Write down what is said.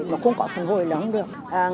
mà không có phần hồi là không được